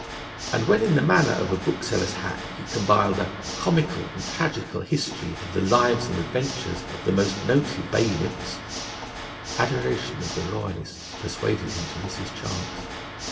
And when in the manner of a bookseller's hack he compiled a Comical and Tragical History of the Lives and Adventures of the most noted Bayliffs, adoration of the Royalists persuaded him to miss his chance.